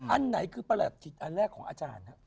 อันไหนคือประหลัดจิตอันแรกของอาจารย์ครับ